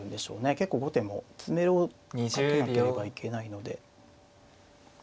結構後手も詰めろをかけなければいけないので。